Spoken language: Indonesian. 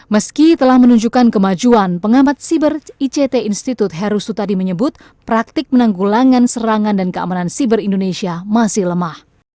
meski telah menunjukkan kemajuan pengamat siber ict institut heru sutadi menyebut praktik penanggulangan serangan dan keamanan siber indonesia masih lemah